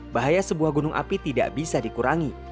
bahaya sebuah gunung api tidak bisa dikurangi